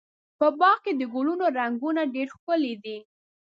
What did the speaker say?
په باغ کې د ګلونو رنګونه ډېر ښکلي دي.